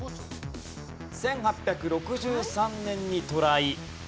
１８６３年に渡来。